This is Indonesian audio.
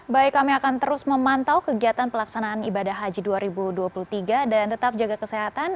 baik kami akan terus memantau kegiatan pelaksanaan ibadah haji dua ribu dua puluh tiga dan tetap jaga kesehatan